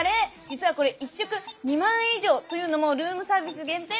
実はこれ１食２万円以上！というのもルームサービス限定メニューだから！